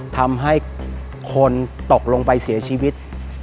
ทำให้คนตกลงไปเสียชีวิต